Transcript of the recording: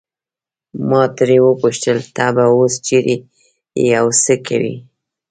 ما ترې وپوښتل ته به اوس چیرې یې او څه کوې.